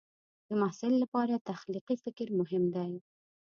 د محصل لپاره تخلیقي فکر مهم دی.